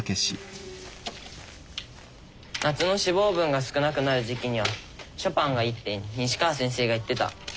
夏の脂肪分が少なくなる時期にはショパンがいいって西川先生が言ってた。